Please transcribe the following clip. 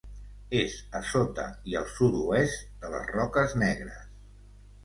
És a sota i al sud-oest de les Roques Negres.